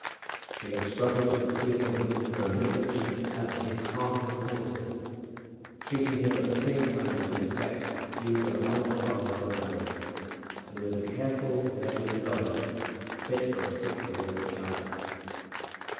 She had struggled to conceal from him her own conviction as to his half insanity, treating him at the same time with the respect due to an honoured father of a family, and with the careful measured indulgence fit for a sick and wayward child.